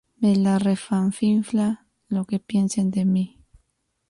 Me la refanfinfla lo que piensen de mí